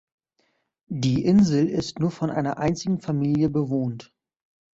Die Insel ist nur von einer einzigen Familie bewohnt.